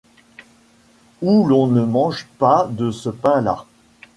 où l’on ne mange pas de ce pain-là !…